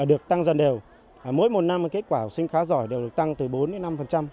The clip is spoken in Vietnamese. được tăng dần đều mỗi một năm kết quả học sinh khá giỏi đều được tăng từ bốn đến năm